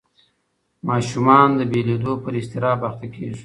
ماشومان د بېلېدو پر اضطراب اخته کېږي.